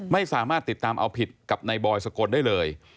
ไม่สามารถติดตามเอาผิดกับนายบอยสกลได้เลย